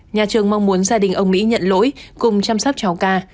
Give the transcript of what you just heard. nhà trường mong muốn gia đình ông mỹ nhận lỗi cùng chăm sác cháu k